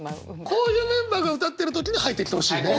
こういうメンバーが歌ってる時に入ってきてほしいね。